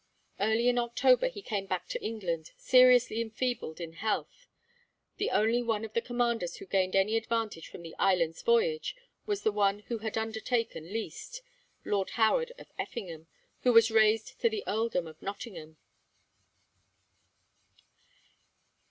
Early in October he came back to England, seriously enfeebled in health. The only one of the commanders who gained any advantage from the Islands Voyage was the one who had undertaken least, Lord Howard of Effingham, who was raised to the earldom of Nottingham.